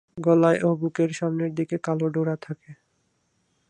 গলায় ও বুকের সামনের দিকে কালো ডোরা থাকে।